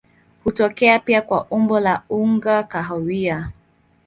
Hutokea pia kwa umbo la unga kahawia.